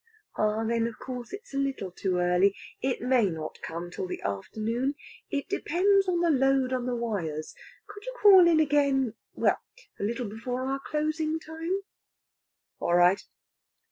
"Ah, then of course it's a little too early. It may not come till late in the afternoon. It depends on the load on the wires. Could you call in again well, a little before our closing time?" "All right."